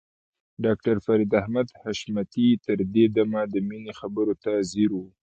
ډاکټر فريد احمد حشمتي تر دې دمه د مينې خبرو ته ځير و.